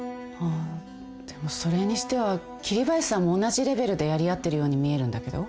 でもそれにしては桐林さんも同じレベルでやり合ってるように見えるんだけど。